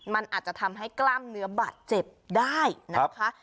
มันอาจจะทำให้กล้ามเนื้อบาดเจ็บได้นะคะ